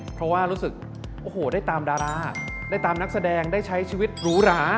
เพราะว่ารู้สึกโอ้โหได้ตามดาราได้ตามนักแสดงได้ใช้ชีวิตหรูหรา